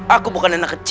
aku bukan anak kecil